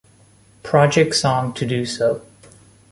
Project song to do so.